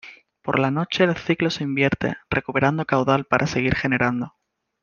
Por la noche el ciclo se invierte, recuperando caudal para seguir generando.